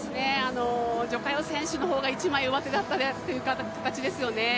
徐嘉余選手の方が一枚上手だったという形ですね。